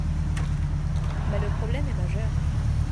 Mais le problème est majeur.